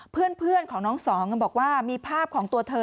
เพื่อนของน้องสองก็บอกว่ามีภาพของตัวเธอ